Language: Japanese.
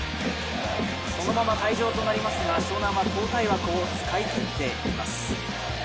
そのまま退場となりますが湘南は交代枠を使い切っています。